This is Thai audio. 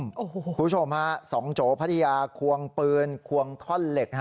คุณผู้ชมฮะสองโจพัทยาควงปืนควงท่อนเหล็ก